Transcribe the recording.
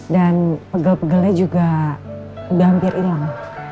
dan pegel pegelnya juga udah hampir hilang